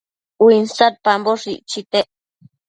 uinsadpamboshë icchitec